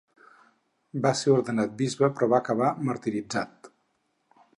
Va ser ordenat bisbe però va acabar martiritzat.